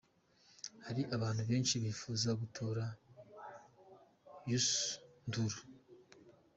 Hari abantu benshi bifuza gutora Youssou Ndour.